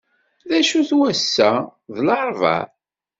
D acu-t wass-a? D laṛebɛa.